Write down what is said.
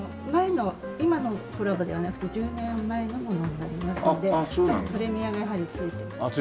今のコラボではなくて１０年前のものになりますのでちょっとプレミアがやはりついています。